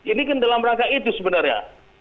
ini kan dalam rangka itu sebenarnya